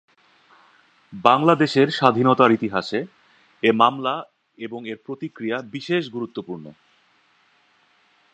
বাংলাদেশের স্বাধীনতার ইতিহাসে এ মামলা এবং এর প্রতিক্রিয়া বিশেষ গুরুত্বপূর্ণ।